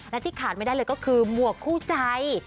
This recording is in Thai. และที่ขาดไม่ได้เลยก็คือหมวกคู่ใจ